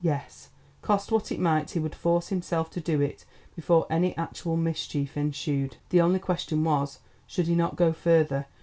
Yes, cost what it might, he would force himself to do it before any actual mischief ensued. The only question was, should he not go further?